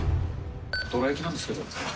どら焼きなんですけど。